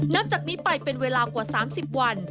นับจากนี้ไปเป็นเวลากว่า๓๐วัน